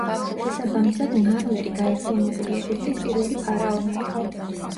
შესაბამისად ნარმერი გაერთიანებული ეგვიპტის პირველი ფარაონი იყო.